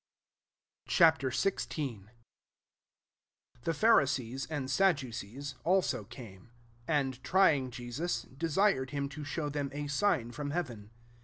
Ch. XVI. 1 THE PharUees, and Sadducees, also, came ; oixdt, trying Jesus^ desired him to shov/ them a sign from heaven.